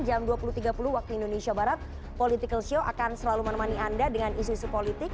jam dua puluh tiga puluh waktu indonesia barat political show akan selalu menemani anda dengan isu isu politik